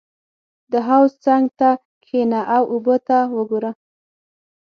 • د حوض څنګ ته کښېنه او اوبه ته وګوره.